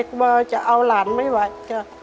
กลัวจะเอาหลานไม่ไหวค่ะ